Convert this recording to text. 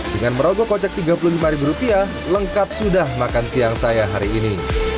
dengan merogoh kocek rp tiga puluh lima lengkap sudah makan siang saya hari ini